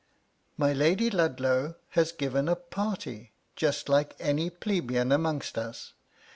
My Lady Ludlow has * given a party, just like any plebeian amongst us.